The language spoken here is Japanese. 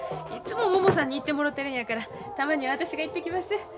いつもももさんに行ってもろてるんやからたまには私が行ってきます。